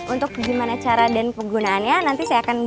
untuk bagaimana cara dan penggunaannya nanti saya akan jelaskan